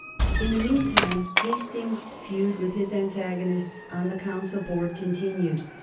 In the mean time Hastings's feud with his antagonists on the Council board continued.